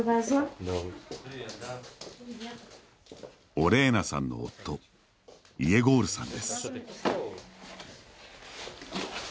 オレーナさんの夫イェゴールさんです。